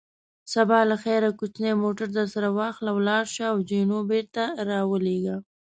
سبا له خیره کوچنی موټر درسره واخله، ولاړ شه او جینو بېرته را ولېږه.